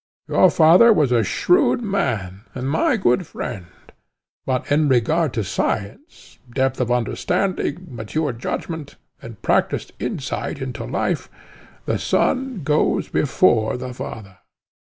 Your father was a shrewd man and my good friend, but in regard to science, depth of understanding, mature judgment, and practiced insight into life, the son goes before the father.